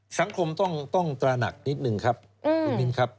สังคมต้องตระหนักนิดนึงครับ